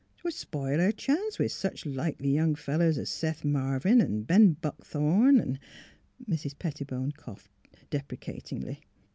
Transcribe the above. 'Twould sp'ile her chance with sech likely young fellers as Seth Marvin an' Ben Buckthorn an' " Mrs. Pettibone coughed, deprecatingly.